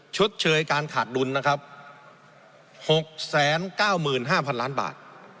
ชดเชยการขาดดุล๖๙๕๐๐๐ล้านบาท